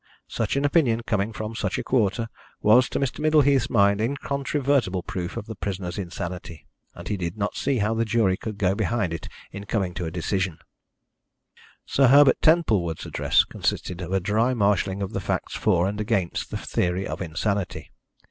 Such an opinion, coming from such a quarter, was, to Mr. Middleheath's mind, incontrovertible proof of the prisoner's insanity, and he did not see how the jury could go behind it in coming to a decision. Sir Herbert Templewood's address consisted of a dry marshalling of the facts for and against the theory of insanity.